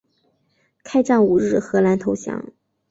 开战五日荷兰投降。